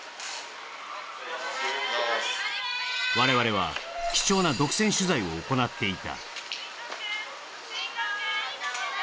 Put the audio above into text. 我々は貴重な独占取材を行っていた。